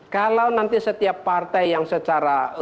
kalau nanti setiap partai yang secara